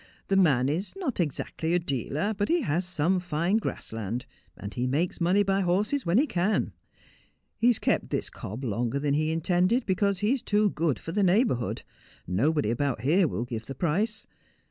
The man is not exactly a dealer, but he has some fine grass land, and he makes money by horses when he can. He has kept this cob longer than he intended, because he's too good for the neighbourhood. Nobody about here will give the price.